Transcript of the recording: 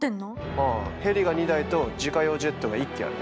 ああヘリが２台と自家用ジェットが１機あるね。